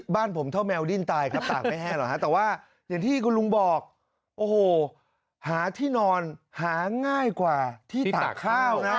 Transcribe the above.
บ้านผมเท่าแมวดิ้นตายครับตากไม่แห้หรอกฮะแต่ว่าอย่างที่คุณลุงบอกโอ้โหหาที่นอนหาง่ายกว่าที่ตากข้าวนะ